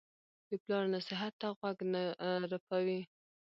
د پلار نصیحت ته غوږ نه رپوي.